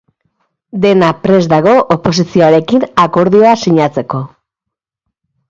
Dena prest dago oposizioarekin akordioa sinatzeko.